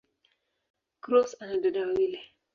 Cross ana dada wawili.